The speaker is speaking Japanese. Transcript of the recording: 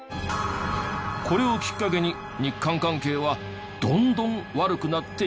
これをきっかけに日韓関係はどんどん悪くなっていった。